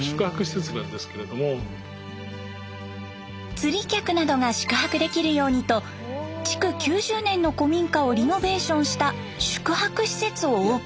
釣り客などが宿泊できるようにと築９０年の古民家をリノベーションした宿泊施設をオープン。